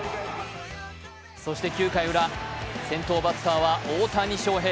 そして９回ウラ、先頭バッターは大谷翔平。